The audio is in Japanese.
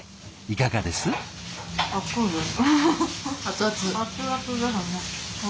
いかがです？